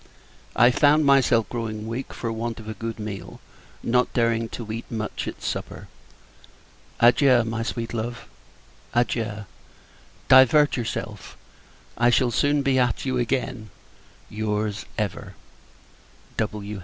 I found myself growing weak, for want of a good meal, not daring to eat much at supper. Adieu, my sweet love! adieu. Divert yourself I shall soon be at you again. Your's, ever, W.